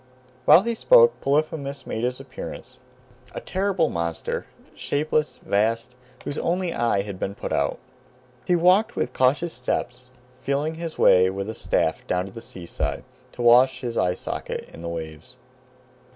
While he spoke Polyphemus made his appearance; a terrible monster, shapeless, vast, whose only eye had been put out. [Footnote: See Proverbial Expressions.] He walked with cautious steps, feeling his way with a staff, down to the sea side, to wash his eye socket in the waves.